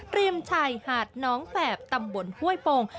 ริมชายหาดน้องแฝบตำบลห้วยโป่ง